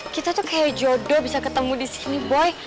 kita tuh kayak jodoh bisa ketemu di sini boy